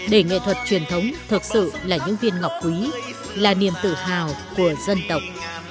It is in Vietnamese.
để nghệ thuật truyền thống thực sự là những viên ngọc quý là niềm tự hào của dân tộc